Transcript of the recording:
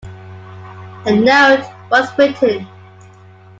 A note was written.